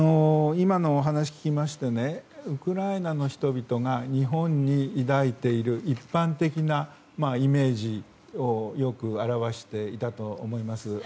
今のお話を聞きましてウクライナの人々が日本に抱いている一般的なイメージをよく表していたと思います。